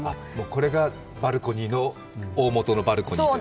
これがバルコニーの大もとのバルコニーと。